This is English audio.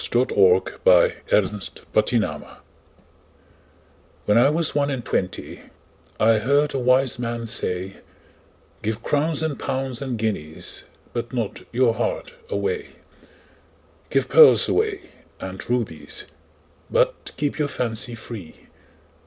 When I was one and twenty WHEN I was one and twentyI heard a wise man say,'Give crowns and pounds and guineasBut not your heart away; Give pearls away and rubiesBut keep your fancy free.